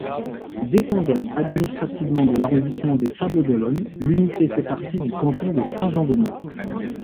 Dépendant administrativement de l’arrondissement des Sables-d’Olonne, l’unité fait partie du canton de Saint-Jean-de-Monts.